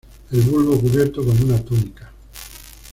El bulbo cubierto con una túnica.